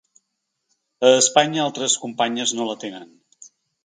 A Espanya altres companyes no la tenen.